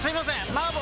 麻婆！